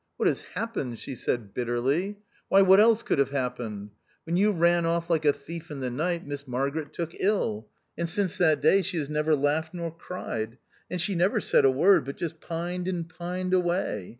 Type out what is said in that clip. "What has happened! she said bitterly. Why, what else could have happened ! When you ran off like a thief in the night, Miss Margaret took ill ; and since that day she has never laughed nor cried ; and she never said a word, but just pined and pined away.